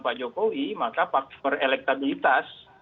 pak jokowi maka faktor elektabilitas